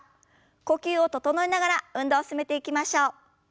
呼吸を整えながら運動を進めていきましょう。